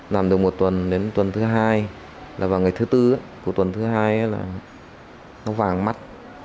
làm được một tuần đến tuần thứ hai là vào ngày thứ tư của tuần thứ hai là nó vàng mắt